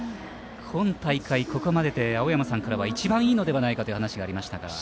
今大会、ここまでで青山さんからは一番いいのではないかというお話がありました。